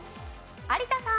有田さん。